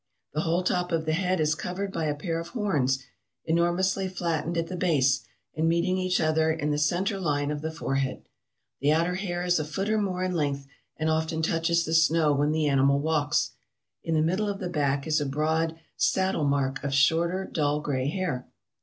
The whole top of the head is covered by a pair of horns enormously flattened at the base, and meeting each other in the center line of the forehead. .. The outer hair is a foot or more in length, and often touches the snow when the animal walks. In the middle of the back is a broad 'saddle mark' of shorter, dull gray hair.